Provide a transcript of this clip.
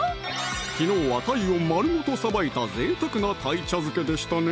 昨日は鯛を丸ごとさばいたぜいたくな「鯛茶漬け」でしたね